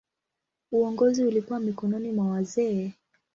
Uongozi ulikuwa mikononi mwa wazee.